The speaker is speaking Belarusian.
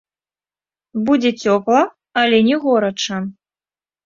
Будзе цёпла, але не горача.